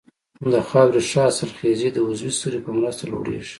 د خاورې ښه حاصلخېزي د عضوي سرې په مرسته لوړیږي.